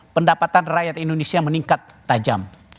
pendapatan rakyat indonesia meningkat tajam